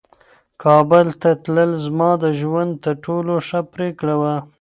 کابل ته تلل زما د ژوند تر ټولو ښه پرېکړه وه.